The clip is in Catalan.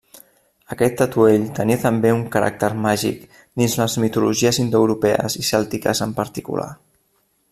Aquest atuell tenia també un caràcter màgic dins les mitologies indoeuropees i cèltiques en particular.